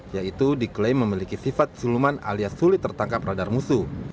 yaitu diklaim memiliki sifat suluman alias sulit tertangkap radar musuh